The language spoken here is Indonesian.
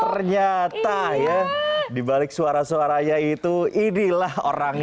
ternyata ya dibalik suara suaranya itu inilah orangnya